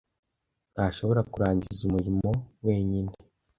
Ntashobora kurangiza umurimo wenyine.